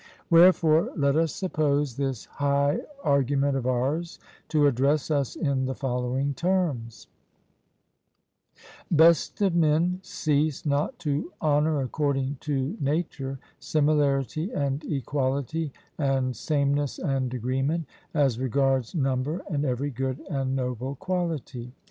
Wherefore let us suppose this 'high argument' of ours to address us in the following terms: Best of men, cease not to honour according to nature similarity and equality and sameness and agreement, as regards number and every good and noble quality.